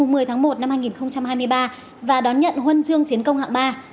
ngày một mươi tháng một năm hai nghìn hai mươi ba và đón nhận huân chương chiến công hạng ba